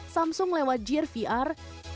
samsung lewat gear vr